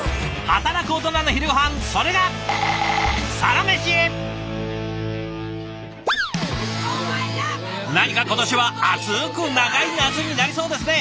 働くオトナの昼ごはんそれが何か今年は暑く長い夏になりそうですね。